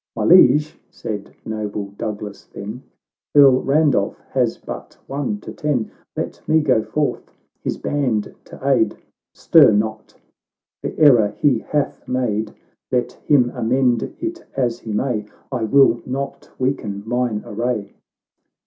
" My Liege," said noble Douglas then, " Earl Randolph has but one to ten : Let me go forth his band to aid !"——" Stir not. The error he hath made, Let him amend it as he may ; I will not weaken mine array."